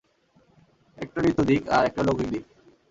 একটা নিত্য দিক, আর-একটা লৌকিক দিক।